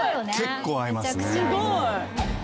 結構会いますね。